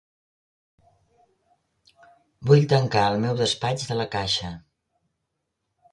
Vull tancar el meu despatx de La Caixa.